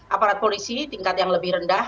aparat polisi tingkat yang lebih rendah